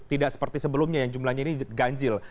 tidak seperti sebelumnya yang jumlahnya ini ganjil